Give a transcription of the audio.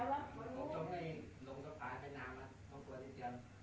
ผมต้องให้ลงทะพายไปน้ำล่ะต้องตัวได้เจอ